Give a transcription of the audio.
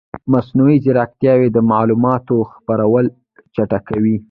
مصنوعي ځیرکتیا د معلوماتو خپرول چټکوي.